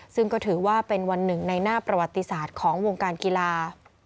ซึ่งก็ถือว่าเป็นวันหนึ่งในหน้าประวัติศาสตร์ของวงการกีฬา